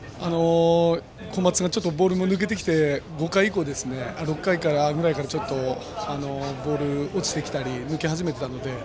小松がちょっとボールが抜けてきて５回以降とか６回くらいからちょっと、ボールが落ちてきたり抜け始めていたので。